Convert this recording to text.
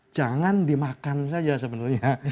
jangan dimakan saja sebenarnya